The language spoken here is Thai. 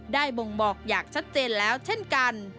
บ่งบอกอย่างชัดเจนแล้วเช่นกัน